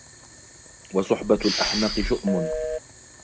وَصُحْبَةُ الْأَحْمَقِ شُؤْمٌ